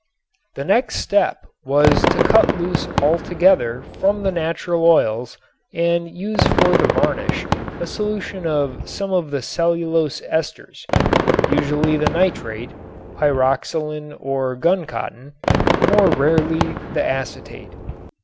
The next step was to cut loose altogether from the natural oils and use for the varnish a solution of some of the cellulose esters, usually the nitrate (pyroxylin or guncotton), more rarely the acetate.